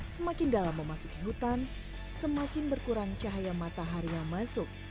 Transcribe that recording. semakin dalam memasuki hutan semakin berkurang cahaya matahari yang masuk